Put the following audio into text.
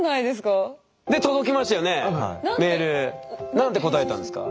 何て答えたんですか？